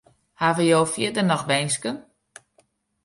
Hawwe jo fierder noch winsken?